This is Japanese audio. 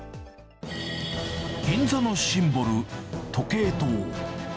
銀座のシンボル、時計塔。